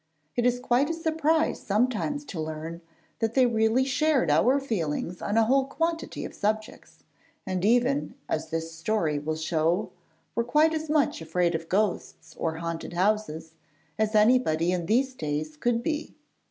It is quite a surprise sometimes to learn that they really shared our feelings on a whole quantity of subjects, and even, as this story will show, were quite as much afraid of ghosts or haunted houses as anybody in these days could be.